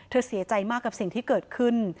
เสียใจมากกับสิ่งที่เกิดขึ้น